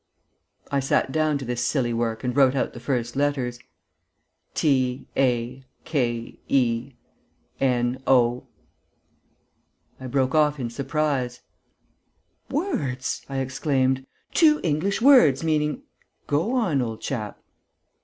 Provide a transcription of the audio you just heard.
I sat down to this silly work and wrote out the first letters: "Take no...." I broke off in surprise: "Words!" I exclaimed. "Two English words meaning...." "Go on, old chap."